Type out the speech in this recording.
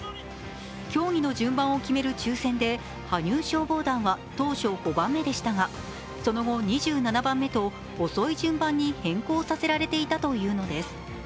競技の順番を決める抽選で羽生消防団は当初、５番目でしたが、その後、２７番目と遅い順番に変更させられていたというのです。